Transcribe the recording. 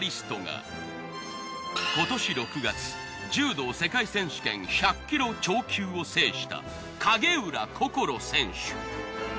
今年６月柔道世界選手権１００ｋｇ超級を制した影浦心選手。